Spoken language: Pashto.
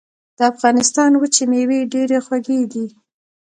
د افغانستان وچې مېوې ډېرې خوږې دي.